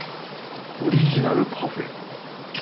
オリジナルパフェ？